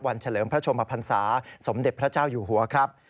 เฉลิมพระชมพันศาสมเด็จพระเจ้าอยู่หัวครับ